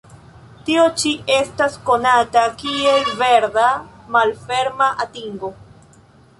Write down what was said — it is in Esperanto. Tio ĉi estas konata kiel 'verda' malferma atingo.